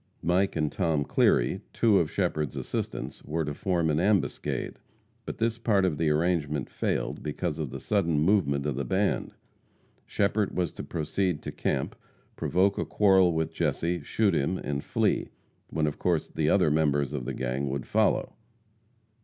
Mike and Tom Cleary, two of Shepherd's assistants, were to form an ambuscade, but this part of the arrangement failed because of the sudden movement of the band. Shepherd was to proceed to camp, provoke a quarrel with Jesse, shoot him and flee, when of course the other members of the gang would follow.